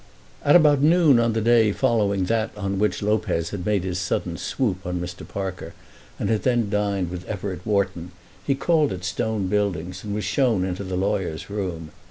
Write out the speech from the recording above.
At about noon on the day following that on which Lopez had made his sudden swoop on Mr. Parker and had then dined with Everett Wharton, he called at Stone Buildings and was shown into the lawyer's room.